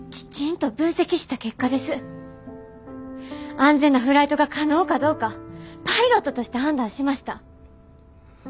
安全なフライトが可能かどうかパイロットとして判断しました。